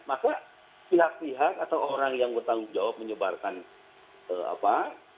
maka pihak pihak atau orang yang bertanggung jawab menyebarkan apa